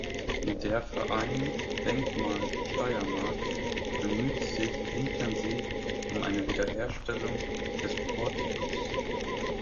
Der Verein „Denkmal Steiermark“ bemüht sich intensiv um eine Wiederherstellung des Portikus.